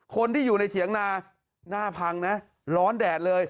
คนที่อยู่ในเถียงนาหน้าพังนะร้อนแดดเลย